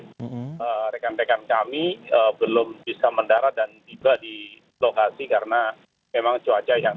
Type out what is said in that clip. jadi rekan rekan kami belum bisa mendarat dan tiba di lokasi karena memang cuaca yang